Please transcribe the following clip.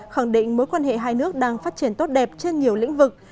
khẳng định mối quan hệ hai nước đang phát triển tốt đẹp trên nhiều lĩnh vực